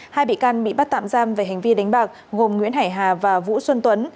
hai bị can bị bắt tạm giam về hành vi đánh bạc gồm nguyễn hải hà và vũ xuân tuấn